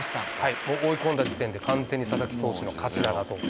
追い込んだ時点で、完全に佐々木投手の勝ちだなと。